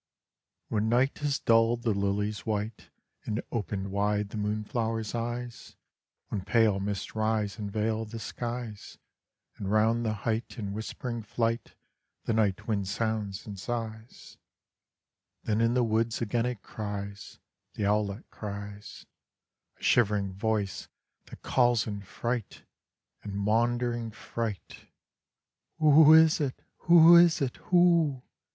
II When night has dulled the lily's white, And opened wide the moonflower's eyes, When pale mists rise and veil the skies, And round the height in whispering flight The night wind sounds and sighs: Then in the woods again it cries, The owlet cries: A shivering voice that calls in fright, In maundering fright: "Who is it, who is it, who?